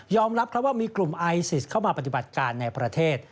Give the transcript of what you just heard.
รับครับว่ามีกลุ่มไอซิสเข้ามาปฏิบัติการในประเทศ